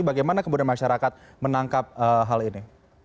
bagaimana kemudian masyarakat menangkap hal ini